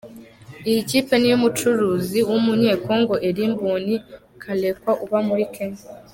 Iyi kipe ni iy’umucuruzi w’Umunyekongo Elly Mboni Kalekwa uba muri Kenya.